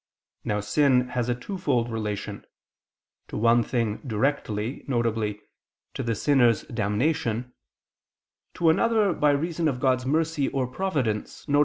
Now sin has a twofold relation to one thing directly, viz. to the sinner's damnation to another, by reason of God's mercy or providence, viz.